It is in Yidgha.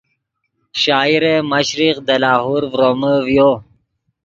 شاعر مشرق دے لاہور ڤرومے ڤیو